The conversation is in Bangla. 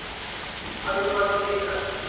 আমি তোমাকে চিনি না।